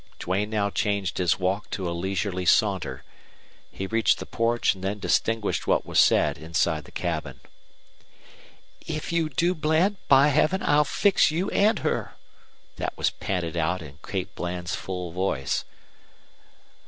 Duane now changed his walk to a leisurely saunter. He reached the porch and then distinguished what was said inside the cabin. "If you do, Bland, by Heaven I'll fix you and her!" That was panted out in Kate Bland's full voice.